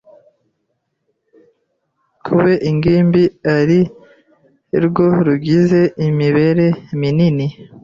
Kube ingimbi erirwo rugize umubere munini